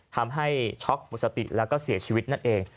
ช็อกหมดสติแล้วก็เสียชีวิตนั่นเอง